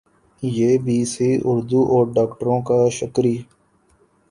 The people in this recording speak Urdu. ی بی سی اردو اور ڈاکٹروں کا شکری